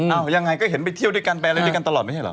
ยังไงก็เห็นไปเที่ยวด้วยกันไปอะไรด้วยกันตลอดไม่ใช่เหรอ